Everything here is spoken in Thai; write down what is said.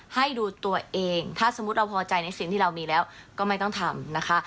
ให้ดูตัวเองถ้าสมมุติเราพอใจในสิ่งที่เรามีแล้วก็ไม่ต้องทำนะคะ